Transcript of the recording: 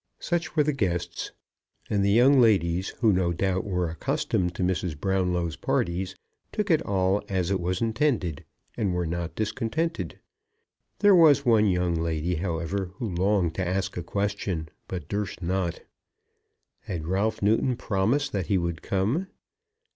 Such were the guests, and the young ladies, who no doubt were accustomed to Mrs. Brownlow's parties, took it all as it was intended, and were not discontented. There was one young lady, however, who longed to ask a question, but durst not. Had Ralph Newton promised that he would come?